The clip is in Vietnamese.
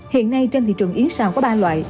hiện nay trên thị trường yến xào có ba loại